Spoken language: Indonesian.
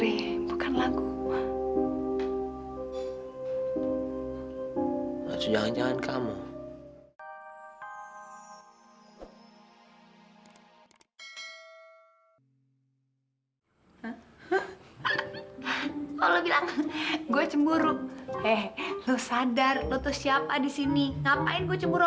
ini kan semua barang belanjaan gue